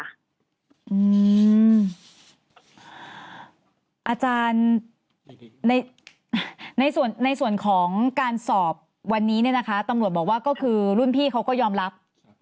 อาจารย์ในส่วนของการสอบวันนี้เนี่ยนะคะตำรวจบอกว่าก็คือรุ่นพี่เขาก็ยอมรับ